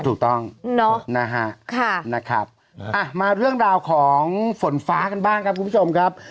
ถูกต้องนะฮะมาเรื่องราวของฝนฟ้ากันบ้างครับคุณผู้ชมครับ